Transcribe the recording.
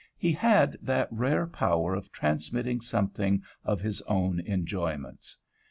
He had that rare power of transmitting something of his own enjoyments.